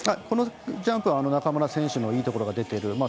このジャンプは中村選手のいいところが出てる。